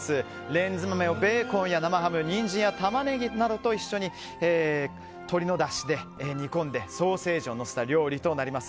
レンズ豆をベーコンや生ハムニンジンやタマネギなどと一緒に鶏のだしで煮込んでソーセージをのせた料理となります。